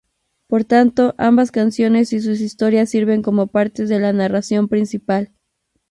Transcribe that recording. Por tanto ambas canciones y sus historias sirven como partes de la narración principal.